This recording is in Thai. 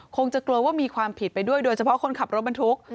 คงจะกลัวว่ามีความผิดไปด้วยโดยเฉพาะคนขับรถบรรทุก